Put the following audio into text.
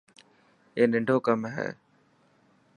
اي ننڊو ڪم هي.